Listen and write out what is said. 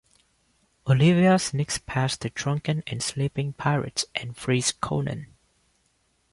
Olivia sneaks past the drunken and sleeping pirates and frees Conan.